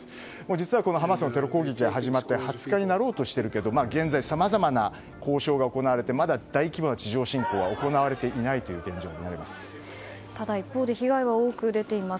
実はハマスのテロ攻撃が始まって２０日になろうとしているけど現在さまざまな交渉が行われてまだ大規模な地上侵攻は行われていないという現状だとただ、一方で被害は多く出ています。